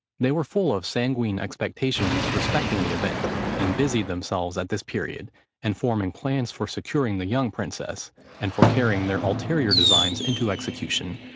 They were full of sanguine expectations respecting the event, and busied themselves at this period, in forming plans for securing the young princes, and for carrying their ulterior designs into execution.